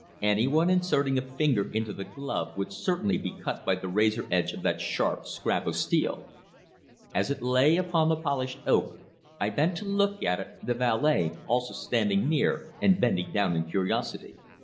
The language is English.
Anyone inserting a finger into the glove would certainly be cut by the razor edge of that sharp scrap of steel. As it lay upon the polished oak I bent to look at it, the valet also standing near and bending down in curiosity.